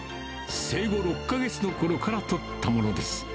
生後６か月のころから撮ったものです。